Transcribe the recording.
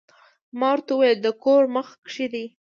ما ورته ووې د کور مخ کښې دې